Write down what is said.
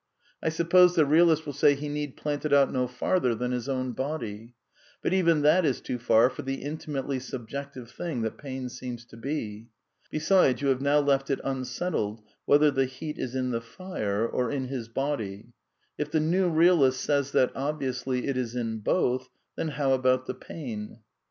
I suppose the realist will say he need plant it out no farther than his own body ; but even that is too far for the intimately subjective thing that pain seems to be. Besides, you have now left it unsettled whether the heat is in the fire or in his body. H the new realist says that, obviously, it is in both, then how about the pain